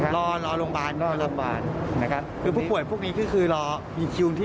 ไม่ใช่โรงพยาบาลสนาม